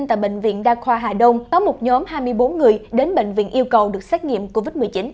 tại bệnh viện đa khoa hà đông có một nhóm hai mươi bốn người đến bệnh viện yêu cầu được xét nghiệm covid một mươi chín